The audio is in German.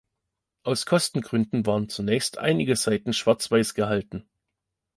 Aus Kostengründen waren zunächst einige Seiten schwarzweiß gehalten.